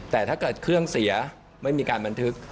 แต่ถ้าเกิดเครื่องเสียไม่มีการบันทึก